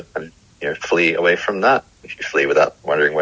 jika anda berhenti tanpa bertanya tanya ke arah anda anda akan berusaha